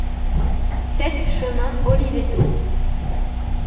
sept chemin Olivetto